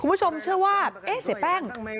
คุณผู้ชมเชื่อว่าเอ๊ะเสียแป้ง